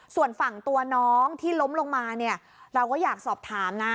ส่วนฝั่งตัวน้องที่ล้มลงมาเนี่ยเราก็อยากสอบถามนะ